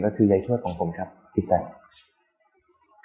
ก็คือยายชวดของผมครับพี่แซค